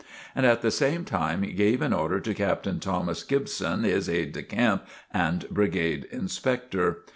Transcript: and at the same time gave an order to Captain Thomas Gibson, his aide de camp and Brigade Inspector.